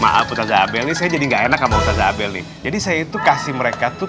maaf ustazza abel ini saya jadi nggak enak sama ustazza abel ini jadi saya itu kasih mereka tuh